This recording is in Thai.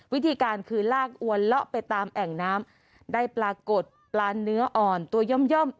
วิธีการคือลากอวนเลาะไปตามแอ่งน้ำได้ปรากฏปลาเนื้ออ่อนตัวย่อม